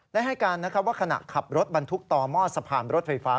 ได้ให้การว่าขณะขับรถบรรทุกต่อหม้อสะพานรถไฟฟ้า